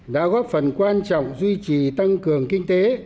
đã góp phần quan trọng duy trì tăng cường kinh tế